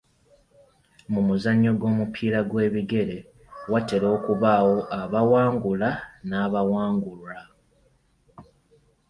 Mu muzannyo gw'omupiira gw'ebigere watera okubaawo abawangula n'abawangulwa.